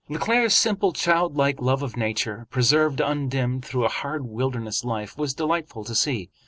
Le Claire's simple, childlike love of nature, preserved undimmed through a hard wilderness life, was delightful to see.